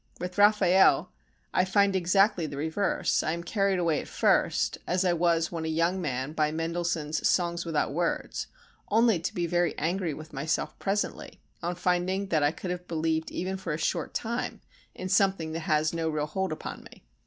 With Raffaelle I find exactly the reverse; I am carried away at first, as I was when a young man by Mendelssohn's Songs Without Words, only to be very angry with myself presently on finding that I could have believed even for a short time in something that has no real hold upon me.